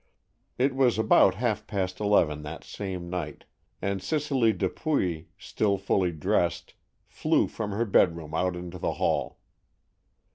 It was about half past eleven that same night, and Cicely Dupuy, still fully dressed, flew from her bedroom out into the hall.